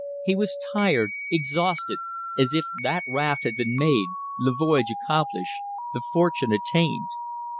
He was tired, exhausted; as if that raft had been made, the voyage accomplished, the fortune attained.